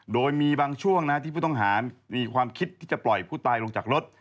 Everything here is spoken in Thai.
โดยมีบางช่วงที่ผู้ต้องหามีความคิดที่จะปล่อยผู้ตายลงจากรถ